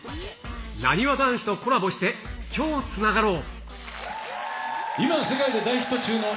なにわ男子とコラボして、きょうつながろう。